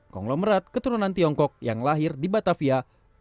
konglomerat keturunan tiongkok yang lahir di batavia